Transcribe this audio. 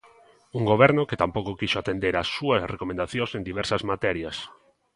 Un goberno que tampouco quixo atender as súas recomendacións en diversas materias.